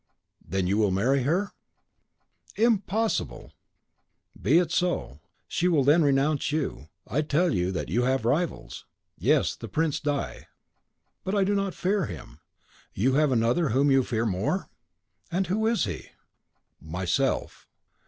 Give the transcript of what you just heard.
"Then you will marry her?" "Impossible!" "Be it so; she will then renounce you. I tell you that you have rivals." "Yes; the Prince di ; but I do not fear him." "You have another whom you will fear more." "And who is he?" "Myself."